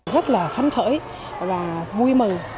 rất là phấn khởi và vui mừng